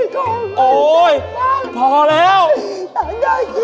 กินตองมานี่คงไม่สำคัญ